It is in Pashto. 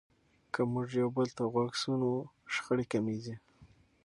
که موږ یو بل ته غوږ سو نو شخړې کمیږي.